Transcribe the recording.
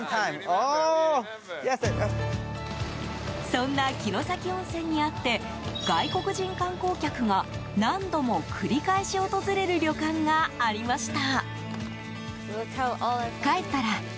そんな城崎温泉にあって外国人観光客が何度も繰り返し訪れる旅館がありました。